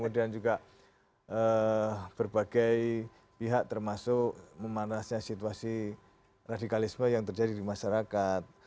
dan juga berbagai pihak termasuk memanasnya situasi radikalisme yang terjadi di masyarakat